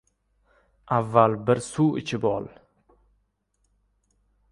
Avval bir suv ichib ol!